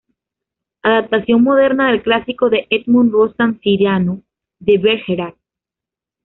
Adaptación moderna del clásico de Edmond Rostand Cyrano de Bergerac.